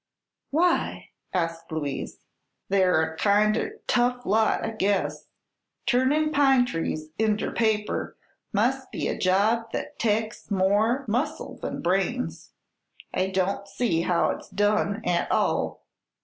"Why?" asked Louise. "They're a kinder tough lot, I guess. Turnin' pine trees inter paper mus' be a job thet takes more muscle than brains. I don't see how it's done, at all."